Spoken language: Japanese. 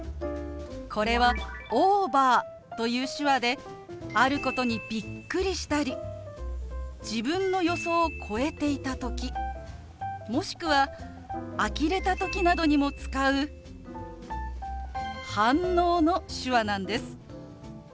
これは「オーバー」という手話であることにびっくりしたり自分の予想を超えていた時もしくはあきれた時などにも使う反応の手話なんです。